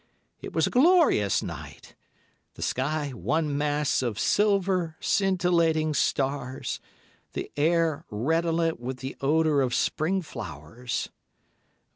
It was a glorious night, the sky one mass of silver, scintillating stars, the air redolent with the odour of spring flowers.